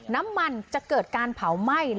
น้ำมันจะเกิดการเผาไหม้